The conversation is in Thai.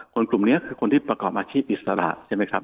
กลุ่มนี้คือคนที่ประกอบอาชีพอิสระใช่ไหมครับ